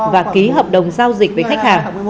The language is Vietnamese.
và ký hợp đồng giao dịch với khách hàng